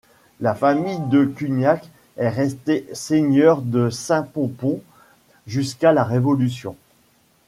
La famille de Cugnac est restée seigneur de Saint-Pompont jusqu'à la Révolution.